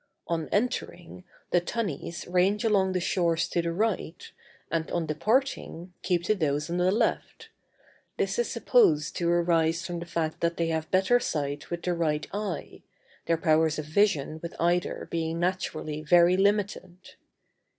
On entering, the tunnies range along the shores to the right, and on departing, keep to those on the left; this is supposed to arise from the fact that they have better sight with the right eye, their powers of vision with either being naturally very limited.